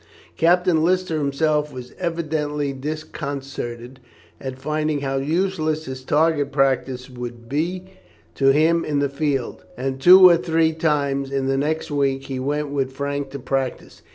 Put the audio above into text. Captain Lister himself was evidently disconcerted at finding how useless his target practice would be to him in the field, and, two or three times in the next week, went with Frank to practise.